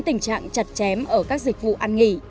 tình trạng chặt chém ở các dịch vụ ăn nghỉ